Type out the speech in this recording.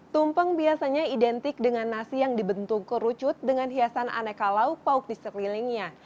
tumpeng biasanya identik dengan nasi yang dibentuk kerucut dengan hiasan aneka lauk lauk di sekelilingnya